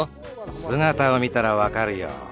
姿を見たら分かるよ。